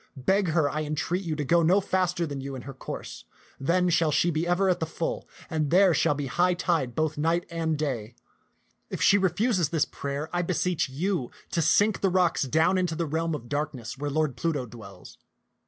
Beg her, I entreat you, to go no faster than you in her course, then shall she be ever at the full, and there shall be high tide both night and day. If she refuses this prayer, then 192 ti}t ^xCK\xUm'0 t<xU I beseech you to sink the rocks down to the realm of darkness where Lord Pluto dwells.